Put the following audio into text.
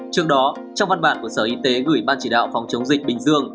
trước đó trong văn bản của sở y tế gửi ban chỉ đạo phòng chống dịch bình dương